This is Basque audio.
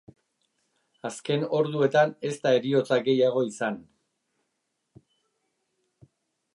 Azken orduetan ez da heriotza gehiago izan.